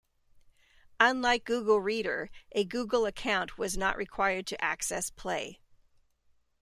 Unlike Google Reader, a Google Account was not required to access Play.